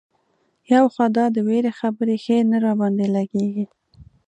یو خو دا د وېرې خبرې ښې نه را باندې لګېږي.